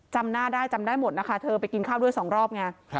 จำหน้าได้จำได้หมดนะคะเธอไปกินข้าวด้วยสองรอบไง